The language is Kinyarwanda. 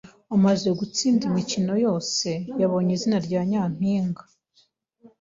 Amaze gutsinda imikino yose, yabonye izina rya nyampinga.